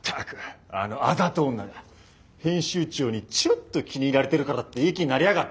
編集長にちょっと気に入られてるからっていい気になりやがって！